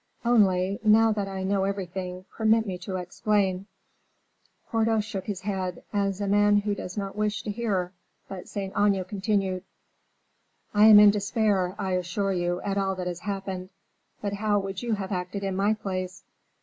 "Only, now that I know everything, permit me to explain " Porthos shook his head, as a man who does not wish to hear, but Saint Aignan continued: "I am in despair, I assure you, at all that has happened; but how would you have acted in my place?